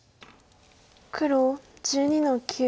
黒１２の九。